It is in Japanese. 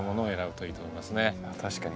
確かに。